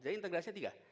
jadi integrasinya tiga